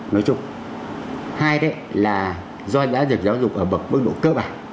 nói chung hai đấy là do giáo dục ở bậc mức độ cơ bản